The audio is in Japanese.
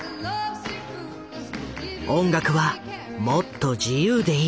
音楽はもっと自由でいい。